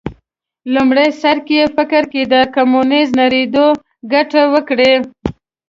لومړي سر کې فکر کېده کمونیزم نړېدو ګټه وکړي